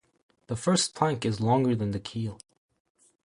The first plank is longer than the keel.